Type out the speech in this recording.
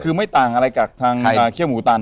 คือไม่ต่างอะไรกับทางเขี้ยวหมูตัน